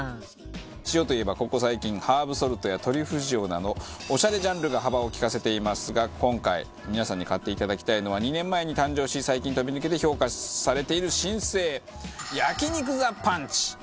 塩といえばここ最近ハーブソルトやトリュフ塩などオシャレジャンルが幅を利かせていますが今回皆さんに買っていただきたいのは２年前に誕生し最近飛び抜けて評価されている新星焼肉ザパンチ！